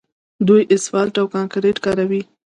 دوی اسفالټ او کانکریټ کاروي.